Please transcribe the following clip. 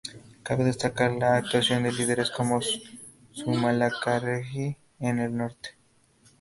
Cabe destacar la actuación de líderes como Zumalacárregui en el norte.